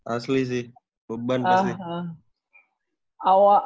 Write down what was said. asli sih beban pasti